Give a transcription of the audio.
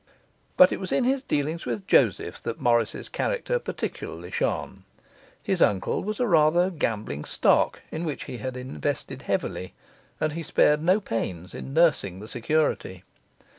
But it was in his dealings with Joseph that Morris's character particularly shone. His uncle was a rather gambling stock in which he had invested heavily; and he spared no pains in nursing the security.